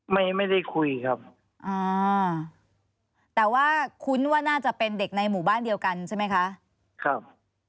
ไม่ได้คุยครับอ่าแต่ว่าคุ้นว่าน่าจะเป็นเด็กในหมู่บ้านเดียวกันใช่ไหมคะครับ